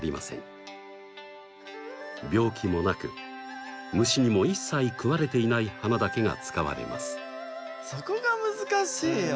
病気もなく虫にも一切食われていない花だけが使われます。